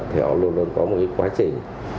thì nó luôn luôn có một quá trình